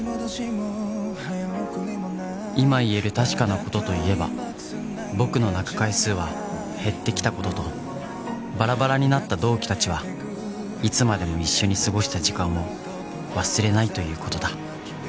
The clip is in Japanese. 今言える確かな事といえば僕の泣く回数は減ってきた事とバラバラになった同期たちはいつまでも一緒に過ごした時間を忘れないという事だ